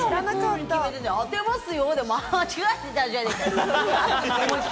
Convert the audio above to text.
当てますよで、間違えていたじゃないか。